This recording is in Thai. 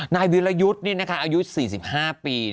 นายวิรยุทธ์อายุ๔๕ปี